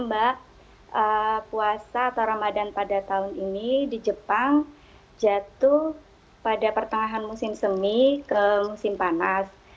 mbak puasa atau ramadan pada tahun ini di jepang jatuh pada pertengahan musim semi ke musim panas